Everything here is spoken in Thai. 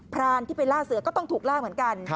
รานที่ไปล่าเสือก็ต้องถูกล่าเหมือนกัน